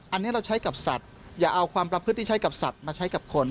อันนี้เราใช้กับสัตว์อย่าเอาความประพฤติที่ใช้กับสัตว์มาใช้กับคน